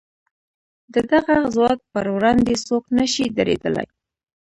د دغه ځواک پر وړاندې څوک نه شي درېدلای.